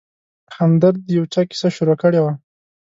همدرد د یو چا کیسه شروع کړې وه.